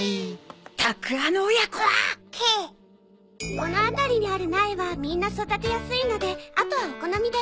この辺りにある苗はみんな育てやすいのであとはお好みで。